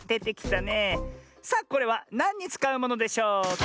さあこれはなんにつかうものでしょうか？